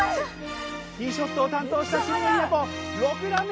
ティーショットを担当した渋野日向子。６打目。